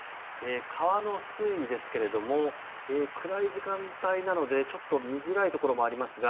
川の水位ですけれども暗い時間帯なので見づらいところもありますが